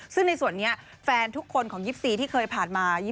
ซึ่งในส่วนนี้แฟนทุกคนของ๒๔ที่เคยผ่านมา